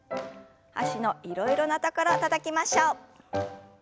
脚のいろいろなところたたきましょう。